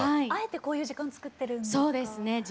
あえてこういう時間つくってるんですか？